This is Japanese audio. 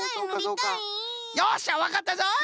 よっしゃわかったぞい！